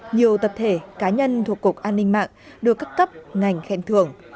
nhiều tập thể cá nhân thuộc cục an ninh mạng được các cấp ngành khen thưởng